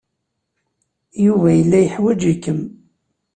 Yuba yella yeḥwaj-ikem.